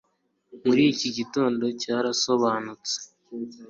Muri iki gitondo cyarasobanutse